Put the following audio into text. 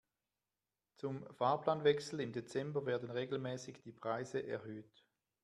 Zum Fahrplanwechsel im Dezember werden regelmäßig die Preise erhöht.